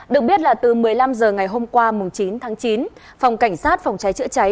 được biết là từ một mươi năm h ngày hôm qua chín tháng chín phòng cảnh sát phòng cháy chữa cháy